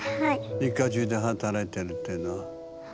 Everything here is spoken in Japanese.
一家じゅうで働いてるっていうのは。